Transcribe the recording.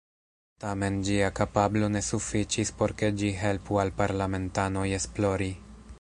Tamen ĝia kapablo ne sufiĉis por ke ĝi helpu al parlamentanoj esplori.